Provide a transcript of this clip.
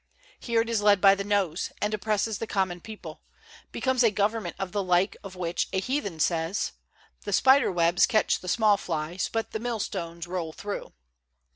Here it is led by the nose, and oppresses the common people, becomes a government of the like of which a heathen says: "The spider webs catch the small flies, but the mill stones roll through."